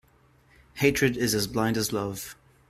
Hatred is as blind as love.